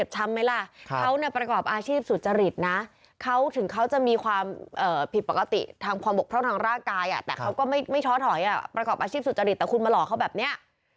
จิ้นฟะกายอะแต่เขาก็ไม่ช้อถอยประกอบอาชีพสุจริตแต่คุณมาหลอกเขาแบบนี้